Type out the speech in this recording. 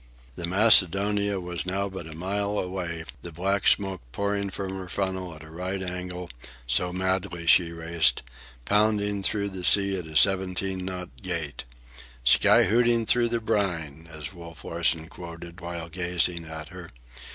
The Macedonia was now but a mile away, the black smoke pouring from her funnel at a right angle, so madly she raced, pounding through the sea at a seventeen knot gait—"'Sky hooting through the brine," as Wolf Larsen quoted while gazing at her.